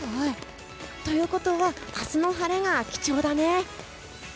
ということは明日の晴れが貴重だね。